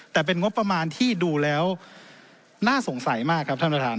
แต่เป็นงบประมาณที่ดูแล้วน่าสงสัยมากครับท่านประธาน